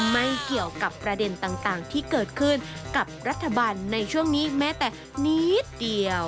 ไม่เกี่ยวกับประเด็นต่างที่เกิดขึ้นกับรัฐบาลในช่วงนี้แม้แต่นิดเดียว